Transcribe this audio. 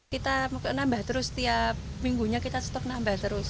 kita nambah terus setiap minggunya kita stok nambah terus